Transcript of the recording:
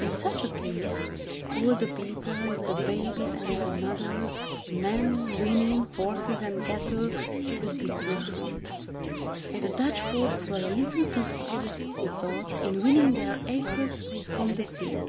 In such a case, all the people, the babies and their mothers, men, women, horses and cattle, would be drowned. The Dutch folks were a little too fast, he thought, in winning their acres from the sea.